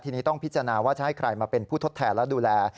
ทีนี้ต้องพิจารณาว่าจะให้ใครมาเป็นผู้ทดแทนและดูแล